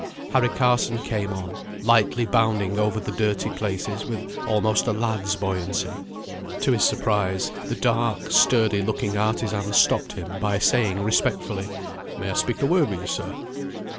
Harry Carson came on, lightly bounding over the dirty places with almost a lad's buoyancy. To his surprise the dark, sturdy looking artisan stopped him by saying respectfully, "May I speak a word wi' you, sir?"